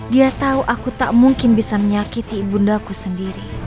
dia tahu aku tak mungkin bisa menyakiti ibundaku sendiri